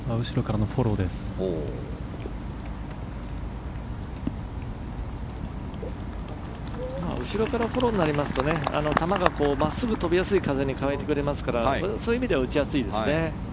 後ろからフォローになりますと球が真っすぐ飛びやすい風に変えてくれますからそういう意味では打ちやすいですね。